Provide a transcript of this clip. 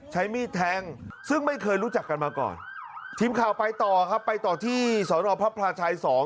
ใช้มีดแทงซึ่งไม่เคยรู้จักกันมาก่อนทิมข่าวไปต่อครับไปต่อที่สหรัฐอเผาะพระชาย๒ครับ